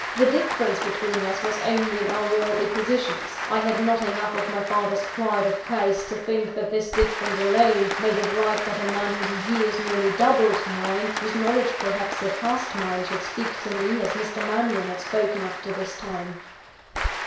The difference between us was only in our worldly positions. I had not enough of my father's pride of caste to think that this difference alone, made it right that a man whose years nearly doubled mine, whose knowledge perhaps surpassed mine, should speak to me as Mr. Mannion had spoken up to this time.